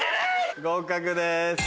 合格です。